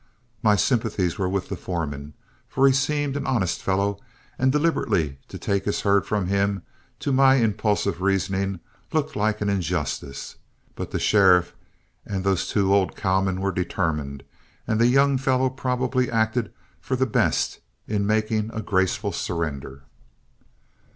My sympathies were with the foreman, for he seemed an honest fellow, and deliberately to take his herd from him, to my impulsive reasoning looked like an injustice. But the sheriff and those two old cowmen were determined, and the young fellow probably acted for the best in making a graceful surrender.